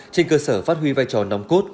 trên cơ sở phát huy vai trò nông cốt